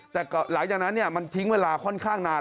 แต่หลังจากนั้นมันทิ้งเวลาค่อนข้างนาน